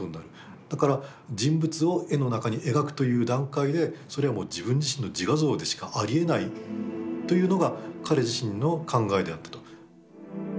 だから人物を絵の中に描くという段階でそれはもう自分自身の自画像でしかありえないというのが彼自身の考えであったと。